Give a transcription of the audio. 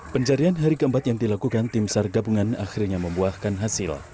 penjarian hari keempat yang dilakukan tim sargabungan akhirnya membuahkan hasil